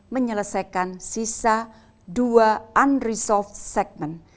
menyelesaikan sisa dua unresolve segment